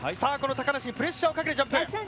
高梨にプレッシャーをかけるジャンプ。